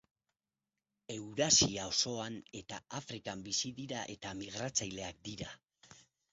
Eurasia osoan eta Afrikan bizi dira eta migratzaileak dira.